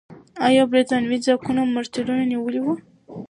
آیا برتانوي ځواکونو مرچلونه نیولي وو؟